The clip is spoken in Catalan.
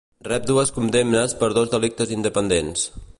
Rep dues condemnes per dos delictes independents.